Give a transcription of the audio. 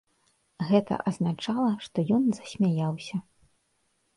Гэта азначала, што ён засмяяўся.